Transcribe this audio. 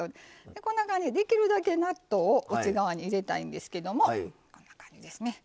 こんな感じでできるだけ納豆を内側に入れたいんですけどもこんな感じですね。